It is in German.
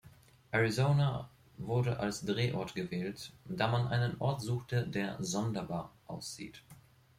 Arizona wurde als Drehort gewählt, da man einen Ort suchte, der „sonderbar“ aussieht.